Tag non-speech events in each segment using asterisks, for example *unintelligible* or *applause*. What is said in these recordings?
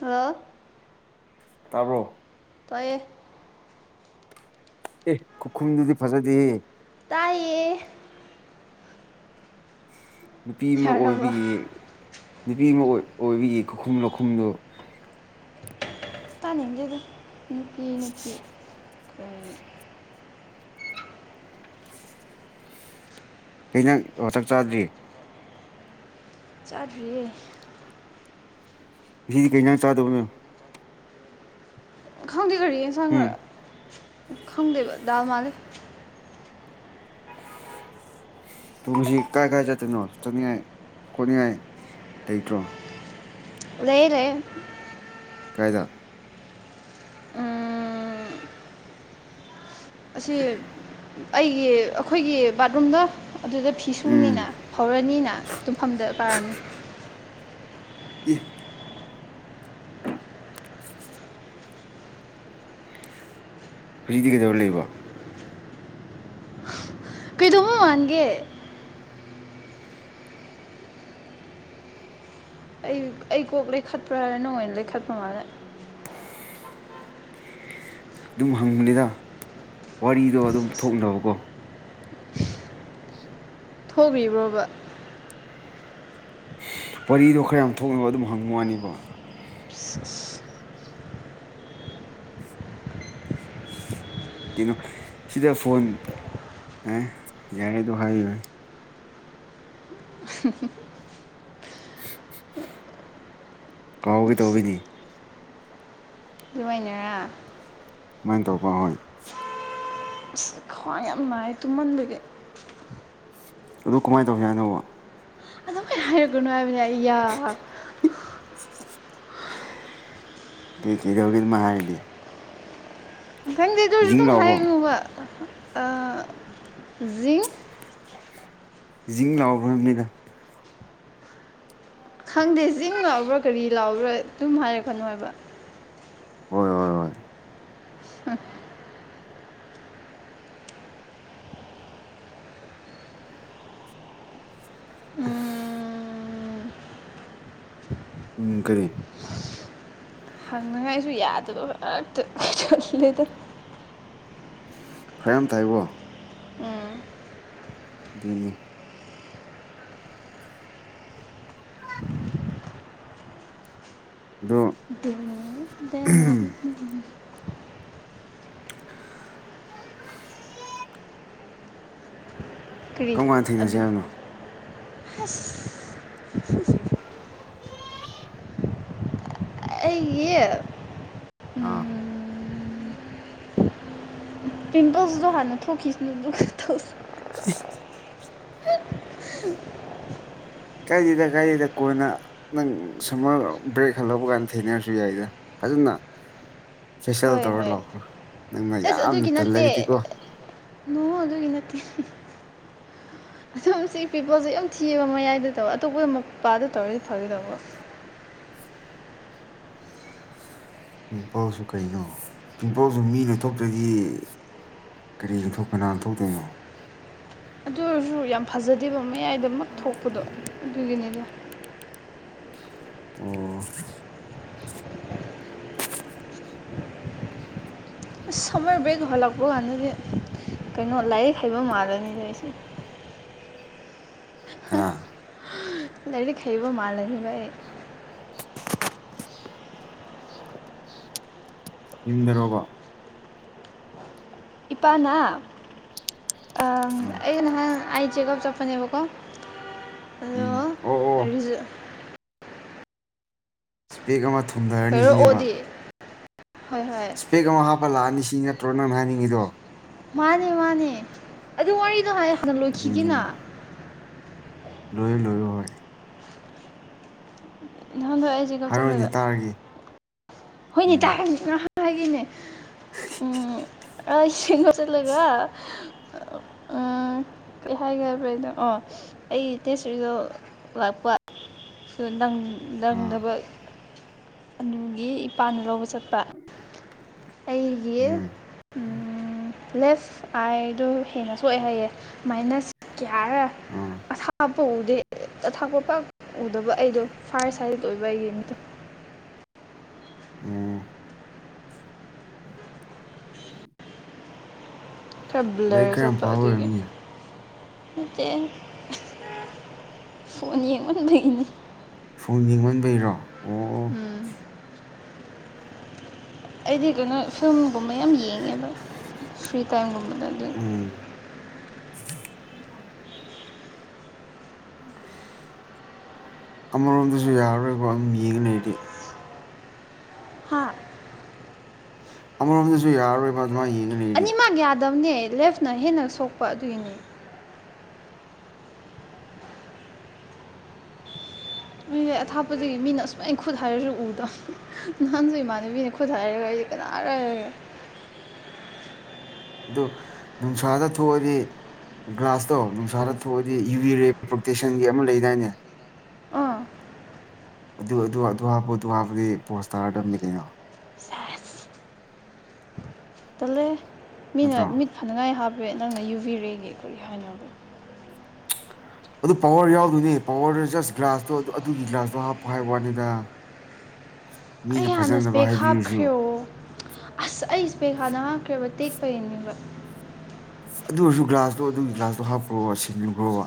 ꯍꯦꯜꯂ ꯇꯥꯕꯣ ꯇꯏꯦ ꯑꯦ ꯈꯨꯈꯨꯝꯗꯨꯗꯤ ꯐꯖꯗ ꯇꯥꯏꯌꯦ ꯅꯨꯄꯤ ꯑꯃ ꯌꯥꯔꯕꯣ ꯑꯣꯏꯕꯒꯤ ꯅꯨꯄꯤ ꯑꯃ ꯑꯣꯏꯕꯒꯤ ꯈꯨꯈꯨꯝ ꯂꯧꯈꯨꯝꯗꯨꯣ ꯇꯥꯅꯤꯡꯗꯦꯗ ꯅꯨꯄꯤ ꯅꯨꯄꯤ ꯀꯔꯤ ꯑꯩꯅ ꯋꯥꯊꯛ ꯆꯥꯗ꯭ꯔꯤ ꯆꯥꯠꯕꯤꯌꯦ ꯁꯤꯗꯤ ꯀꯩꯩꯅ ꯆꯥꯗꯕꯅꯣ ꯈꯪꯗꯦ ꯀꯒꯥꯔꯤ ꯌꯦꯟ ꯁꯪꯈ ꯎꯝ ꯈꯪꯗꯦꯕ ꯗꯥꯜ ꯃꯥꯜꯂꯦ ꯇꯨꯡꯁꯤ ꯀꯥꯏ ꯀꯥꯏ ꯆꯠꯇꯣꯏꯅꯣ ꯆꯠꯅꯤꯡꯉꯥꯏ ꯀꯣꯠꯅꯤꯡꯉꯥꯏ ꯂꯩꯇ꯭ꯔꯣ ꯂꯩꯩꯔꯦ ꯀꯥꯏꯗ ꯎꯝ ꯑꯁꯤ ꯑꯩꯒꯤ ꯑꯩꯈꯣꯏꯒꯤ ꯕꯥꯠꯔꯨꯝꯗ ꯑꯗꯨꯗ ꯎꯝ ꯐꯤꯁꯨꯅꯤꯅ ꯍꯧꯔꯅꯤꯅ ꯇꯨꯝꯐꯝꯗ ꯄꯥꯔꯅꯤ ꯎꯝ ꯍꯧꯖꯤꯛꯇꯗꯤ ꯀꯩꯗꯧꯔ ꯂꯩꯕ ꯀꯩꯗꯧꯕ ꯋꯥꯥꯟꯒꯦ ꯑꯩ ꯑꯩ ꯀꯣꯛ ꯂꯩꯈꯠꯄ꯭ꯔꯥ ꯍꯥꯏꯔ ꯅꯣꯡ ꯑꯣꯏꯅ ꯂꯩꯈꯠꯄ ꯃꯥꯜꯂꯦ ꯑꯗꯨꯝ ꯍꯪꯕꯅꯤꯗ ꯋꯥꯔꯤꯗꯣ ꯑꯗꯨꯝ ꯊꯣꯛꯅꯕꯀꯣ ꯊꯣꯛꯕꯤꯕ꯭ꯔꯣꯕ ꯋꯥꯔꯤꯗꯣ ꯈꯔ ꯌꯥꯝ ꯊꯣꯛꯅꯕ ꯑꯗꯨꯝ ꯍꯪꯕ ꯋꯥꯅꯦꯕ ꯀꯩꯅꯣ ꯁꯤꯗ ꯐꯣꯟ ꯑꯦ ꯌꯥꯔꯦꯗꯣ ꯍꯥꯏꯅꯦ ꯀꯥꯎꯕꯤ ꯇꯧꯕꯤꯅꯤ ꯑꯗꯨꯃꯥꯏꯅꯔꯥ ꯀꯃꯥꯏꯅ ꯇꯧꯕ ꯍꯣꯏ ꯃꯥꯏ ꯇꯨꯃꯟꯒ ꯑꯗꯨ ꯀꯃꯥꯏꯅ ꯇꯧꯁꯤ ꯍꯥꯏꯅꯧꯕ ꯍꯥꯏꯔꯒꯅꯅꯨꯡꯉꯥꯏꯕꯅꯦ *inaudible* ꯊ ꯏ ꯌꯧꯒꯤꯗ ꯃꯍ ꯏꯗꯤ ꯈꯪꯗꯦ ꯑꯗꯨ ꯑꯣꯏꯔꯁꯨ ꯑꯗꯨꯝ ꯂꯥꯎꯕ꯭ꯔꯣ ꯍꯥꯏꯉꯣꯕ ꯖꯤꯡ ꯖꯤꯡ ꯂꯥꯛꯑꯣ ꯐꯅꯤꯗ ꯈꯪꯗꯦ ꯆꯤꯡ ꯂꯥꯎꯕ꯭ꯔꯥ ꯀꯔꯤ ꯂꯥꯛꯕ꯭ꯔꯥ ꯑꯗꯨꯝ ꯍꯥꯏꯔꯛꯀꯅꯣ ꯍꯥꯏꯕ ꯍꯣꯏ ꯍꯣꯏ ꯍꯣꯏ ꯎꯝ ꯎꯝ ꯀꯔꯤ ꯍꯪꯅꯉꯥꯏꯁꯨ ꯌꯥꯗꯅ ꯍꯛꯇ ꯆꯜꯂꯦꯗ ꯈꯔ ꯌꯥꯝ ꯇ ꯍꯥꯏꯕꯣ ꯑꯗꯨꯅꯤ ꯑꯗꯣ *inaudible* ꯀꯔꯤ ꯀꯔꯝ ꯀꯥꯟ ꯑꯗꯨ ꯊꯦꯡꯅꯁꯦ ꯍꯥꯏꯕꯅꯣ ꯑꯁ ꯌꯦꯠ ꯑꯥ ꯄꯤꯡꯀꯜꯁꯁꯨ ꯍꯥꯟꯅ ꯊꯣꯛꯣꯛꯀꯤꯁꯤꯅꯤ ꯎ ꯍ ꯀꯥꯏꯗꯦꯗ ꯀꯥꯏꯗꯦꯗ ꯀꯣꯏꯅ ꯅꯪ ꯁꯨꯃꯔ ꯕ꯭ꯔꯦꯛ ꯍꯜꯍꯧꯕ ꯀꯥꯟꯗ ꯊꯦꯡꯅꯔꯁꯨ ꯌꯥꯏꯗ ꯐꯖꯅ ꯐꯦꯁꯦꯜ ꯍꯣꯏ ꯇꯧꯔ ꯍꯣꯏ ꯂꯥꯎꯈ꯭ꯔꯣ ꯅꯪꯅ ꯌꯥꯝꯅ ꯇꯜꯂꯕꯗꯤꯀꯣ ꯅꯅꯨꯡ ꯍꯧ ꯑꯗꯨꯅꯤ ꯅ ꯑꯗꯨꯝ ꯁꯤ ꯄꯤꯄꯣꯜꯁꯦ ꯌꯥꯝ ꯊꯤꯕ ꯃꯌꯥꯏꯗ ꯇꯧꯕ ꯑꯇꯣꯞꯄꯗ ꯃꯄꯥꯗ ꯇꯧꯔꯤ ꯐꯕꯤ ꯊꯕꯣ ꯄꯤꯝꯄꯜꯁꯨ ꯀꯩꯅꯣ ꯄꯤꯝꯄꯜꯁꯨ ꯃꯤ ꯅ ꯊꯣꯛꯣꯛꯇꯒꯤ ꯀꯔꯤ ꯏꯊꯧ ꯀꯅꯥ ꯊꯣꯛꯧꯗꯣꯏꯅꯣ ꯑꯗꯨ ꯑꯣꯏꯔꯁꯨ ꯌꯥꯝ ꯐꯖꯗꯦꯕ ꯃꯌꯥꯏꯗꯃꯛ ꯊꯣꯛꯄꯗꯣ ꯑꯗꯨꯒꯤꯅꯤꯅꯦ ꯑꯣ ꯁꯃ ꯕꯦꯛꯒ ꯍꯂꯛꯄꯣ ꯑꯅꯤꯗꯤ ꯀꯩꯅꯣ ꯂꯥꯏꯔꯤꯛ ꯍꯩꯕ ꯃꯥꯜꯂꯅꯤꯅꯦ ꯑꯩꯁꯦ ꯑ ꯂꯔꯤ ꯈꯕ ꯃꯥꯜ ꯂ ꯑꯩ ꯏ ꯔꯣꯕ ꯏꯄꯥꯅꯥ ꯎꯝ ꯑ ꯆꯦꯛꯀꯑꯞ ꯆꯄꯅꯦꯕꯀꯣ ꯎꯝ ꯑꯣ ꯑꯣ ꯑꯗꯨꯗꯣꯔꯤꯁꯨ ꯏꯁꯄꯦꯛ ꯑꯃ ꯊꯨꯝꯊꯔꯅꯤ ꯁꯤꯅꯦꯕ ꯀꯩꯔꯛꯑꯣꯗꯤ ꯍꯣꯏ ꯍꯣꯏ ꯏꯁꯄꯦꯛ ꯑꯃ ꯍꯥꯞꯄ ꯂꯥꯛꯑꯅꯤ ꯏꯁꯤꯡ ꯅꯠꯇ꯭ꯔꯣ ꯅꯅ ꯍꯥꯏꯅꯤꯡꯉꯤꯗꯣ ꯃꯥꯅꯦ ꯃꯥꯅꯦ ꯑꯗꯨ ꯋꯥꯔꯤꯗꯣ ꯍꯥꯏ ꯍꯥꯟꯅ ꯂꯣꯏꯈꯤꯒꯅ ꯂꯣꯏ ꯂꯣꯏꯨ ꯍ ꯅꯍꯥꯟꯗ ꯑꯩꯁꯦ ꯍꯥꯏꯔꯣꯅꯦ ꯀꯞꯆꯜꯂꯒ ꯇꯥꯔꯒꯦ ꯍꯣꯏꯅꯦ ꯎꯝ ꯇꯥꯛꯅꯤ ꯉꯍꯥꯟ ꯍꯥꯏꯈꯤꯅꯦ ꯑ ꯃ ꯆꯠꯂꯒ *inaudible* ꯎꯝ ꯀꯩ ꯍꯥꯏꯈꯕꯦ ꯅꯣ ꯑꯣ ꯑꯩ ꯇꯦꯁꯔꯤꯗꯣ ꯂꯥꯛꯄ ꯁꯗꯥꯪ ꯑꯥ ꯅꯪꯗꯕ ꯑꯗꯨꯒꯤ ꯏꯄꯥꯅ ꯂꯧꯕ ꯆꯠꯄ ꯑꯩꯒꯤ ꯎꯝ ꯂꯦꯐ ꯑꯥꯏꯗꯣ ꯍꯦꯟꯅ ꯁꯣꯛꯑꯦ ꯍꯥꯏꯌꯦꯦꯨ ꯃꯥꯏꯅꯁ ꯀꯤꯌꯥꯔ ꯑꯥ ꯑꯁꯥ ꯄꯨꯗꯦ ꯑ ꯊꯥꯛꯄ ꯄꯥꯛ ꯎꯗꯕ ꯑꯩꯗꯣ ꯐꯔꯁ ꯍꯦꯜꯠ ꯑꯣꯏꯕ ꯌꯦꯟꯇ ꯎꯝ ꯎꯝ ꯈꯔ ꯕ꯭ꯂꯔ ꯆꯠꯄ ꯄꯥꯕ ꯑꯗꯨꯒꯤ ꯑꯣꯏꯔꯝꯅꯤ ꯅꯠꯇꯦ ꯐꯣꯟ ꯌꯦꯡꯃꯟꯕꯒꯤꯅꯤ ꯐꯣꯟ ꯌꯦꯡꯃꯟꯕꯩꯔꯣ ꯑꯣ ꯎꯝ ꯑꯩꯗꯤ ꯀꯩꯅꯣ ꯐꯤꯂꯝꯒꯨꯝꯕ ꯌꯥꯝ ꯌꯦꯡꯉꯦꯕ ꯐ꯭ꯔꯤ ꯇꯥꯏꯝꯒꯨꯝꯕꯗ ꯑꯗꯨꯅ ꯎꯝ *unintelligible* ꯑꯃꯔꯣꯝꯗꯁꯨ ꯌꯥꯔꯔꯣꯏꯀꯣ ꯑꯗꯨꯝ ꯌꯦꯡꯉꯥ ꯂꯩꯔꯗꯤ ꯍꯥꯥ ꯑꯃꯔꯣꯝꯗꯁꯨ ꯌꯥꯔꯔꯣꯏꯕ ꯑꯗꯨꯃꯥꯏ ꯌꯦꯡꯉ ꯂꯩꯔꯗꯤ ꯀꯗꯝꯅꯦ ꯂꯦꯐꯅ ꯍꯦꯟꯅ ꯁꯣꯛꯄ ꯑꯗꯨꯏꯒꯤꯅꯤ ꯃꯤ ꯑꯊꯥꯞꯄꯗꯒꯤ ꯃꯤꯅ ꯑꯁꯨꯛꯃꯥꯏꯅ ꯈꯨꯠ ꯍꯥꯏꯔꯁꯨ ꯎꯗꯕ ꯅꯍꯥꯟꯁꯨ ꯏꯃꯥꯟꯅꯕꯤꯅ ꯈꯨꯠ ꯍꯥꯏꯔꯒ ꯑꯩꯗꯤ ꯀꯅꯥ ꯑ *unintelligible* *inaudible* ꯑꯗꯨ ꯅꯨꯡꯁꯥꯗ ꯊꯣꯛꯑꯗꯤ ꯒ꯭ꯂꯥꯁꯇꯣ ꯅꯨꯡꯁꯥꯗ ꯊꯣꯛꯑꯗꯤ ꯌꯨꯔꯤꯔꯤ ꯄ꯭ꯔꯣꯇꯦꯁꯟꯒꯤ ꯑꯃ ꯂꯩꯗꯥꯏꯅꯦ ꯑ ꯑꯗꯨ ꯑꯗꯨ ꯑꯗꯨ ꯍꯥꯞꯄꯨ ꯑꯗꯨ ꯍꯥꯞꯄꯒꯤ ꯄꯣꯁꯇꯥꯔꯗꯝ ꯃꯤ ꯂꯩꯩꯅꯣ ꯁꯦꯁ ꯇꯜꯂꯦ ꯃꯤꯅ ꯅꯠꯇ꯭ꯔꯣ ꯃꯤꯠ ꯐꯅꯉꯥꯏ ꯍꯥꯞꯄꯦ ꯅꯪꯅ ꯌꯨꯕꯤꯔꯦꯒ ꯑꯩꯈꯣꯏꯒꯤ ꯍꯥꯏꯅꯕꯗ ꯑꯗꯨ ꯄꯋꯥꯔ ꯌꯥꯎꯗꯣꯏꯅꯦ ꯄꯋꯥꯔ ꯖꯁ ꯒ꯭ꯂꯥꯁꯇꯣ ꯑꯗꯨꯒꯤ ꯒ꯭ꯂꯥꯁꯇꯣ ꯍꯥꯞꯄꯣ ꯍꯥꯏꯕ ꯋꯥꯅꯤꯗ *inaudible* ꯑꯩ ꯃꯤꯅ ꯍꯥꯟꯅꯁ ꯐꯖꯅꯕ ꯕꯦꯒ ꯍꯥꯏꯕꯤꯔꯁꯨ ꯍꯥꯞꯈ꯭ꯔꯦꯣ ꯑꯁ ꯑꯩꯁ ꯕꯦꯒ ꯊꯅꯉꯈ꯭ꯔꯕ ꯇꯦꯛꯄ ꯌꯦꯡꯉꯕ ꯑꯗꯨ ꯑꯣꯏꯔꯁꯨ ꯒ꯭ꯂꯥꯁꯇꯣ ꯑꯗꯨꯒꯤ ꯒ꯭ꯂꯥꯁꯇꯣ ꯍꯥꯞꯄ꯭ꯔꯣꯕ ꯁꯤꯦꯡꯖꯤꯈ꯭ꯔꯣꯕ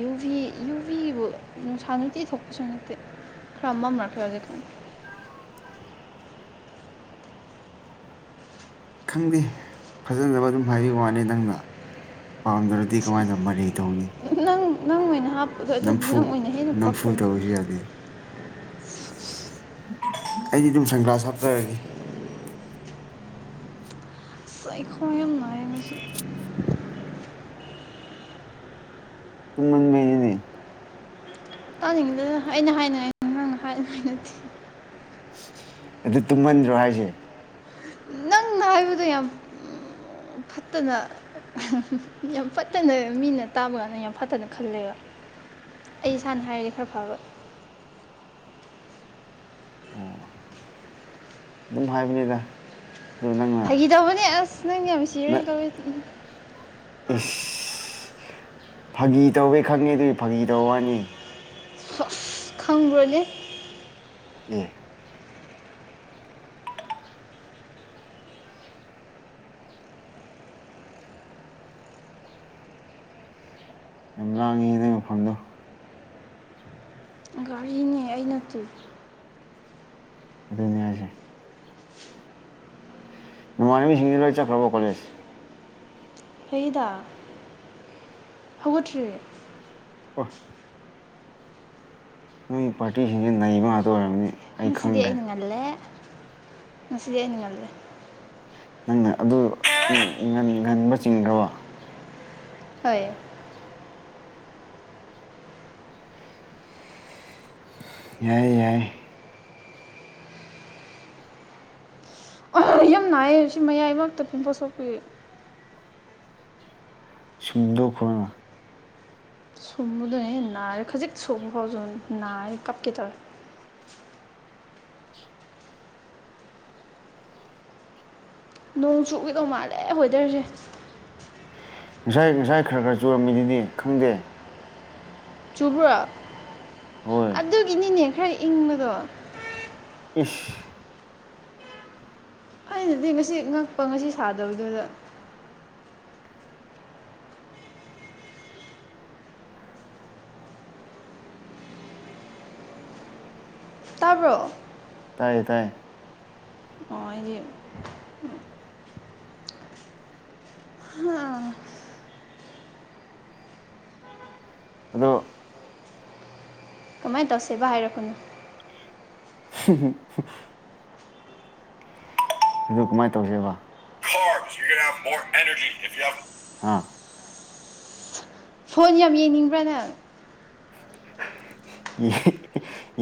ꯌꯨ ꯚꯤ ꯌꯨ ꯚꯤꯕꯨ ꯅꯨꯡꯁꯥ ꯅꯨꯡꯇꯤ ꯊꯣꯛꯄꯁꯨ ꯅꯠꯇꯦ ꯐ꯭ꯔꯝ ꯑꯃꯝꯔꯈꯔꯖꯤ ꯊꯝ ꯈꯪꯗꯦ ꯐꯖꯅꯕ ꯑꯗꯨꯝ ꯍꯥꯏꯕ ꯋꯥꯅꯤ ꯅꯪꯅ ꯄꯥꯝꯗ꯭ꯔꯗꯤ ꯑꯁ ꯀꯃꯥꯏꯅ ꯇꯧꯃ ꯂꯩ ꯇꯧꯅꯤ ꯅꯪ ꯅꯪ ꯑꯣꯏꯅ ꯍꯥꯞꯄꯗꯣ ꯑꯗꯨꯗꯤ ꯅꯝꯐꯨ ꯅꯪ ꯑꯣꯏꯅ ꯍꯦꯟꯅ ꯅꯝꯐꯨꯗ ꯄꯛꯀꯅꯤ ꯑꯣꯏꯔꯒꯦ ꯑꯩꯗꯤ ꯑꯗꯨꯝ ꯁꯪꯀ꯭ꯔꯥꯁ ꯍꯥꯞꯆꯔꯒꯦ ꯆꯈ ꯌꯥꯝ ꯌꯥꯝ ꯥꯏ ꯉꯁꯨ ꯎ ꯃꯅꯦ ꯇꯥꯅꯤꯡꯉꯤꯗꯗꯅ ꯑꯩꯅ ꯍꯥꯏꯅꯉꯥꯏ ꯅꯍꯥꯡꯅ ꯍꯥꯏꯉꯥꯏ ꯅꯠꯇꯦ ꯑꯗꯨ ꯇꯨꯝꯃꯟꯗ꯭ꯔꯣ ꯍꯥꯏꯁꯦ ꯐꯅ ꯍꯥꯏꯕꯗ ꯌꯥꯝ ꯐꯠꯇꯅ ꯌꯥꯝ ꯐꯠꯇꯅ ꯃꯤꯅ ꯇꯥꯕ ꯀꯥꯟꯅ ꯌꯥꯝ ꯐꯠꯇꯅ ꯈꯜꯂꯦꯕ ꯑꯩ ꯏꯁꯥꯅ ꯍꯥꯏꯔꯗꯤꯦ ꯈꯔ ꯐꯔꯣꯏ ꯑꯣ ꯑꯗꯨꯝ ꯍꯥꯏꯕꯅꯤꯗ ꯑꯗꯨ ꯅꯪꯅ ꯐꯈꯤꯗꯕꯅꯦ ꯑꯁ ꯅꯪꯒꯤ ꯌꯥꯝ ꯁꯤꯔ ꯅꯪ ꯀꯧꯋ ꯏꯁ ꯐꯥꯒꯤ ꯇꯧꯋꯦ ꯈꯪꯉꯦ ꯑꯗꯨꯏ ꯐꯥꯒꯤ ꯇꯧ ꯋꯥꯅꯤ ꯈꯪꯕ꯭ꯔꯒꯦ ꯎꯝ ꯌꯥꯝ ꯂꯥꯡꯉꯤ ꯑꯗꯨꯗꯩ ꯃꯐꯝꯗꯣ ꯏꯈꯤ ꯑꯗꯨꯗꯅꯁꯦ ꯃꯔꯃꯤꯁꯤꯡꯂꯣꯏ ꯆꯀ꯭ꯔꯕ ꯀꯣꯦꯖ ꯍꯗ ꯍꯧꯒꯠꯇ꯭ꯔꯤ ꯍꯁ ꯅꯣꯏ ꯄꯥꯔꯇꯤꯁꯤꯡꯁꯤ ꯅꯩꯕ ꯉꯥꯛꯇ ꯑꯣꯏꯔꯕꯅꯤ ꯃꯁꯤꯗꯤꯏꯅꯤꯡꯉ ꯂꯩ ꯃꯁꯤꯗꯤꯏꯅꯤꯡꯉ ꯂꯩ ꯅꯪꯅ ꯑꯗꯨ ꯉꯟꯕ ꯆꯤꯡꯈ꯭ꯔꯕ ꯍꯣꯏ ꯌꯥꯏ ꯌꯥꯏ ꯍꯣꯏ ꯌꯥꯝ ꯅꯥꯏꯌꯦ ꯍꯧꯖꯤꯛ ꯃꯌꯥꯏ ꯃꯔꯛꯇ ꯄꯤ ꯄꯣꯠ ꯁꯣꯛꯄꯤ ꯁꯗ ꯈꯅ ꯁꯨꯝꯕꯗꯅꯦ ꯅꯥꯔꯦ ꯈꯖꯤꯛ ꯁꯨꯝꯕ ꯐꯥꯎꯁꯨ ꯅꯥꯔꯦ ꯀꯞꯀꯦ ꯇꯧꯔꯦ ꯅꯣꯡ ꯆꯨꯈꯤꯗꯧ ꯃꯥꯜꯂꯦ ꯋꯦꯗꯔꯁꯦ ꯉꯁꯥꯏ ꯉꯁꯥꯏ ꯈꯔ ꯈꯔ ꯆꯨꯔꯝꯃꯤꯗꯨꯗꯤ ꯈꯪꯗꯦ ꯆꯨꯕ꯭ꯔꯣ ꯍꯣꯏ ꯑꯗꯨꯒꯤꯅꯤꯅꯦ ꯈꯔ ꯏꯪꯕꯗꯣ ꯈꯁ ꯑꯩꯅꯗꯤ ꯉꯁꯤ ꯉꯛꯄ ꯉꯁꯤ ꯁꯥꯗꯕꯗꯨꯗ ꯇꯥꯕ꯭ꯔꯣ ꯇꯥꯏꯌꯦ ꯇꯥꯏꯌꯦ ꯍꯣꯏꯒꯤ ꯑꯥ ꯑꯗꯨꯗꯣ ꯀꯃꯥꯏꯅ ꯇꯧꯁꯦꯕ ꯍꯥꯏꯔꯛꯄꯅꯣ *unintelligible* ꯑꯗꯨ ꯀꯃꯥꯏꯅ ꯇꯧꯁꯦꯕ ꯌ ꯀ ꯐ ꯑꯦꯔ ꯐꯣꯟ ꯌꯥꯝ ꯌꯦꯡꯅꯤꯡꯕ꯭ꯔꯥꯅ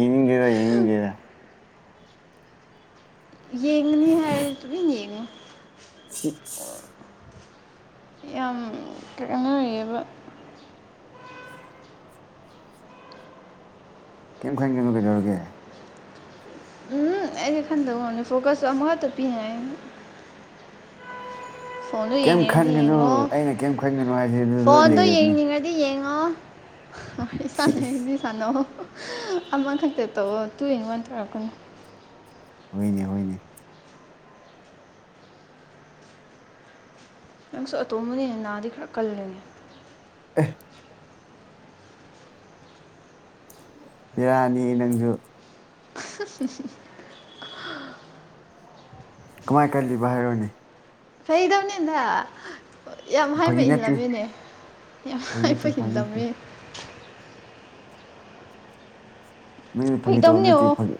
ꯏꯦꯗ ꯌꯦꯉꯦꯗ ꯌꯦꯡꯉꯅꯤ ꯍꯥꯏ ꯇꯨ ꯌꯦꯡꯉ ꯎꯝ ꯌꯥꯝ ꯀꯩꯅꯣꯔꯤꯌꯦꯕ ꯀꯩꯝ ꯈꯟ ꯀꯩꯅꯣ ꯀꯩꯗꯧꯔꯒꯦ ꯑꯩ ꯈꯥꯟꯗ ꯉꯅꯤ ꯐꯣꯀꯁ ꯋꯥ ꯑꯃꯉꯠꯇ ꯄꯤꯅꯦ ꯐꯣꯟꯗꯣ ꯀꯩꯝ ꯌꯦꯡꯅꯤꯡꯉꯗꯤ ꯈꯟꯒꯅꯨ ꯌꯦꯡꯉꯣ ꯑꯩꯅ ꯀꯩꯝ ꯈꯟꯒꯅꯨ ꯍꯥꯏꯁꯦ ꯑꯗꯨ ꯂꯣꯏ ꯐꯣꯟꯗꯣ ꯂꯩꯔꯕꯅꯤ ꯌꯦꯡꯅꯤꯡꯉꯗꯤ ꯌꯦꯡꯉꯣ ꯑ ꯆꯥꯟ ꯁꯤ ꯏꯁ ꯍꯗꯤ ꯆꯥꯟ ꯑꯃꯈꯛꯇ ꯇꯧꯧꯕ ꯇꯨ ꯍꯡ ꯋꯥꯟ ꯇꯧꯔꯛꯀꯅꯤꯨ ꯍꯣꯏꯅꯦ ꯍꯣꯏꯅꯦ ꯅꯪꯁꯨ ꯑꯇꯣꯝꯕꯅꯦꯅꯦ ꯅꯥꯗꯤ ꯈꯔ ꯀꯜꯂꯅꯦ ꯑ ꯕꯤꯔꯅꯤ ꯅꯪꯁꯨ ꯁꯤ ꯁꯤꯁꯤ ꯀꯃꯥꯏ ꯀꯜꯂꯤꯕ ꯍꯥꯏꯔꯣꯅꯦ ꯐꯩꯗꯕꯅꯤꯗ ꯌꯥꯝ ꯍꯥꯏꯕ ꯐꯥꯒꯤ ꯅꯠꯇꯦ ꯏꯜꯂꯝꯃꯤꯅꯦ ꯌꯥꯝ ꯐꯥꯒꯤ ꯅꯠꯇꯦ ꯍꯥꯏꯕ ꯐꯥꯒꯤ ꯅꯠꯇꯦ ꯏꯜꯂꯝꯃꯤ ꯅꯪ ꯐꯥꯒꯤ ꯇꯧꯕ ꯐꯩꯗꯧꯅꯦ ꯅꯠꯇꯦ ꯑꯣ ꯐꯥꯒꯤ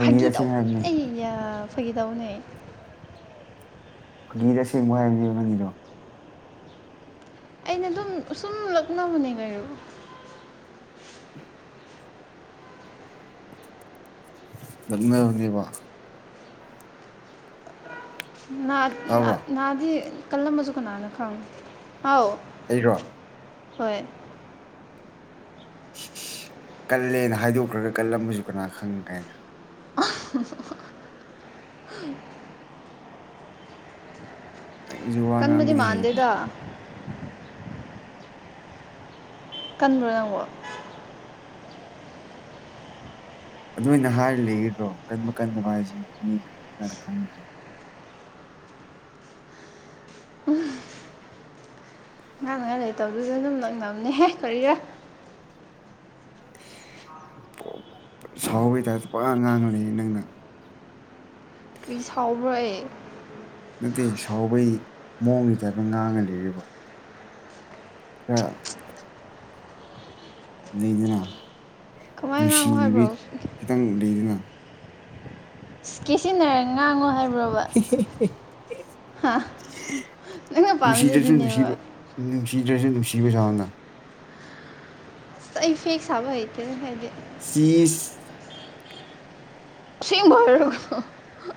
ꯐꯥꯒꯤ ꯑꯁꯦꯡ ꯇꯧꯅꯤ ꯍꯥꯏꯕꯅꯤ ꯑꯩ ꯁꯒꯗꯧꯅꯦꯩ ꯐꯪꯒꯤꯔꯁꯦꯡꯕ ꯍꯥꯏꯕꯅꯦꯕ ꯅꯪꯒꯤꯗꯣ ꯑꯩꯅ ꯑꯗꯨꯝ ꯁꯨꯝ ꯂꯅ ꯍꯅꯦꯒꯔ ꯂꯃꯦ ꯑꯣꯏ ꯋꯥ ꯇꯥꯕ꯭ꯔꯣ ꯅꯍꯥꯗꯤ ꯀꯂꯝꯕꯁꯨ ꯀꯅꯥꯅꯣ ꯈꯪ ꯑꯥꯎ ꯍꯩꯔꯣ ꯍꯣꯏ ꯀꯜꯂꯦꯅ ꯍꯥꯏꯗꯣꯛꯈ꯭ꯔꯒ ꯀꯜꯂꯝꯃꯁꯨ ꯀꯅꯥ ꯈꯪ ꯀꯥꯏꯅ ꯎ ꯅꯪꯁꯨ ꯋꯥ ꯀꯟꯕꯨꯗꯤ ꯉꯥꯡꯕꯗꯤ ꯍꯩꯅꯦ ꯃꯥꯥꯟꯗꯦꯗ ꯀꯟꯕꯗꯕꯣ ꯑꯗꯨꯃꯥꯏꯅ ꯍꯥꯏꯔꯤ ꯂꯩꯗ꯭ꯔꯣ ꯀꯟꯕ ꯀꯟ ꯅꯨꯡ ꯍꯥꯏꯥꯏꯁꯦ ꯀꯅ ꯈꯪꯒꯅꯤ ꯅꯪ ꯂꯩ ꯇꯧꯗꯨꯁꯨ ꯑꯗꯨꯝ ꯅꯛꯅꯕꯅꯦꯍꯦ ꯀꯔꯤꯒ ꯎ ꯁꯥꯎꯕꯒꯤ ꯇꯥꯏꯞꯇ ꯄꯨꯔꯥ ꯉꯥꯡꯉꯅꯤ ꯅꯪꯅ ꯀꯔꯤ ꯁꯥꯎꯕ꯭ꯔ ꯑꯩ ꯅꯠꯇꯦ ꯁꯥꯎꯕꯒꯤ ꯃꯑꯣꯡꯁꯤꯗ ꯑꯗꯨ ꯉꯥꯡꯉ ꯂꯩ ꯑ ꯂꯩꯗꯨꯅ ꯀꯃꯥꯏꯅ ꯉꯥꯡꯉꯣ ꯅꯨꯡꯁꯤꯕ ꯍꯥꯏꯕ꯭ꯔꯣ ꯈꯤꯇꯪ ꯂꯩꯗꯨꯅ ꯀꯦ ꯁꯤꯖꯤꯟꯅꯔ ꯉꯥꯡꯉꯣ ꯍꯥꯏꯕ ꯅꯪꯅ *inaudible* ꯄꯥꯝꯃꯤꯁꯦ ꯅꯨꯡꯁꯤꯗꯁꯨ ꯑꯗꯨꯅꯦꯕ ꯅꯨꯡꯁꯤꯕꯅꯨꯡꯁꯤ ꯁꯤꯗ꯭ꯔꯁꯨ ꯅꯨꯡꯁꯤꯕꯖꯥꯅ ꯏꯐꯦꯛꯁꯕꯇꯦ ꯍꯥꯏꯗꯤ ꯁꯤꯤꯁ ꯁꯤꯕꯔꯣ